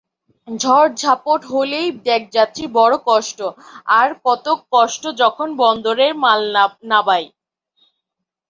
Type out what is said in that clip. ঝড়-ঝাপট হলেই ডেকযাত্রীর বড় কষ্ট, আর কতক কষ্ট যখন বন্দরে মাল নাবায়।